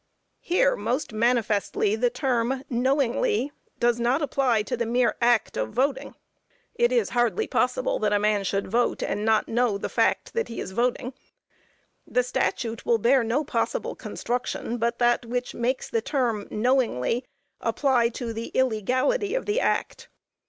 Here most manifestly the term "knowingly" does not apply to the mere act of voting. It is hardly possible that a man should vote, and not know the fact that he is voting. The statute will bear no possible construction but that which makes the term "knowingly" apply to the illegality of the act.